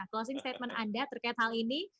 closing statement anda terkait hal ini